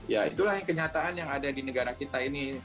ya itulah kenyataan yang ada di negara kita ini